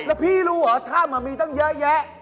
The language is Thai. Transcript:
แล้วพี่รู้เหรอถ้ำมีตั้งเยอะแยะ